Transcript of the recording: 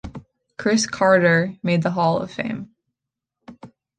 Cris Carter made the Hall of Fame.